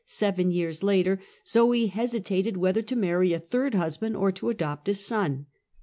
seven years later, Zoe hesitated whether to marry a third f■^ql^^^^ liusband, or to adopt a son.